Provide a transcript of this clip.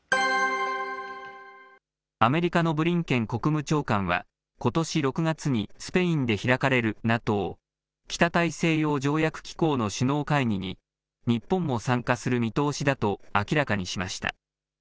アメリカのブリンケン国務長官は、ことし６月にスペインで開かれる、ＮＡＴＯ・北大西洋条約機構の首脳会議に、日本も参加する見通しだと明らかにしました。